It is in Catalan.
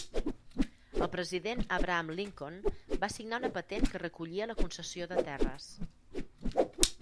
El president Abraham Lincoln va signar una patent que recollia la concessió de terres.